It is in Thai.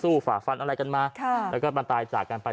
ฝ่าฟันอะไรกันมาแล้วก็มันตายจากกันไป